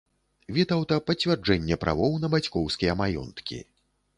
Вітаўта пацвярджэнне правоў на бацькоўскія маёнткі.